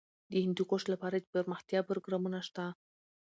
د هندوکش لپاره دپرمختیا پروګرامونه شته.